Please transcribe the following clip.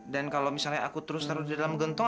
dan kalau misalnya aku terus taruh di dalam gentong